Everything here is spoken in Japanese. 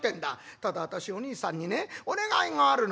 『ただ私おにいさんにねお願いがあるの』。